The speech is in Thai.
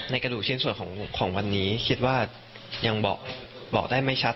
กระดูกชิ้นส่วนของวันนี้คิดว่ายังบอกได้ไม่ชัด